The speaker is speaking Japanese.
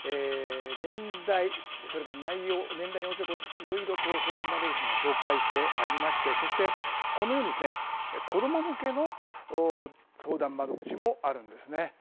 年代、それから内容に応じていろいろ相談窓口が紹介してありましてそしてこのようにですね、子ども向けの相談窓口もあるんですね。